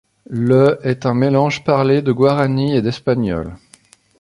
Le est un mélange parlé de guarani et d'espagnol.